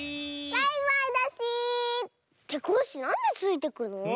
バイバイだし！ってコッシーなんでついていくの？